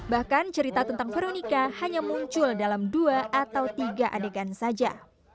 bahkan cerita tentang veronica hanya muncul dalam dua atau tiga adegan saja